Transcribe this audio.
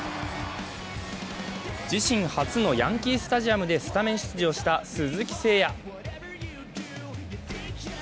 自身初のヤンキー・スタジアムでスタメン出場した鈴木誠也。